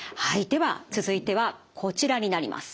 では続いてはこちらになります。